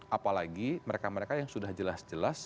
apalagi mereka mereka yang sudah jelas jelas